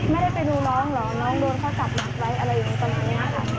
ไม่ได้ไปดูน้องหรอกน้องโดนเขากับมัดไว้อะไรอยู่ตรงนี้ค่ะ